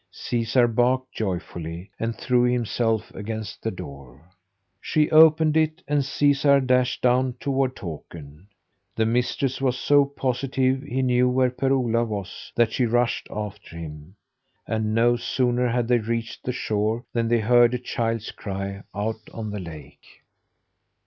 Caesar barked joyfully, and threw himself against the door. She opened it, and Caesar dashed down toward Takern. The mistress was so positive he knew where Per Ola was, that she rushed after him. And no sooner had they reached the shore than they heard a child's cry out on the lake.